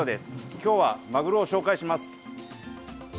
今日はマグロを紹介します。